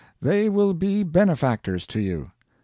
They will be benefactors to you.